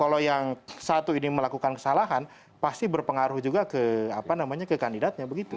kalau yang satu ini lakukan kesalahan pasti berpengaruh juga ke apa namanya ke kandidatnya begitu